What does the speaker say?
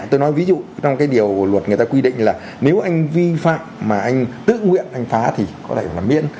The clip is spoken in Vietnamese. tôi nói ví dụ trong cái điều luật người ta quy định là nếu anh vi phạm mà anh tự nguyện anh phá thì có thể là miên